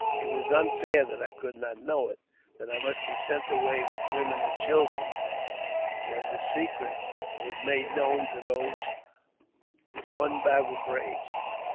It was unfair that I could not know it ; that I must be sent away with the women and children, when the secret was made known to those one battle braves.